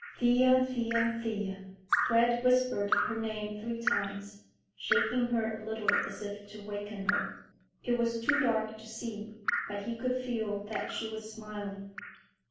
"Thea, Thea, Thea!" Fred whispered her name three times, shaking her a little as if to waken her. It was too dark to see, but he could feel that she was smiling.